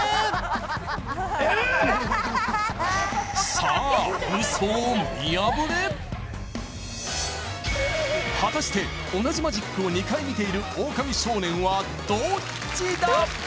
さあ果たして同じマジックを２回見ているオオカミ少年はどっちだ？